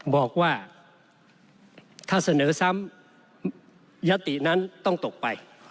บอกว่าถ้าเสนอซ้ำยตินั้นต้องตกไป